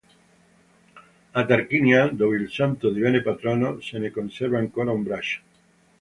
A Tarquinia, dove il santo divenne patrono, se ne conserva ancora un braccio.